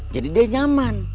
jadi dia nyaman